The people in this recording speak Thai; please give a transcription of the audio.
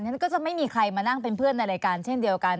ฉันก็จะไม่มีใครมานั่งเป็นเพื่อนในรายการเช่นเดียวกัน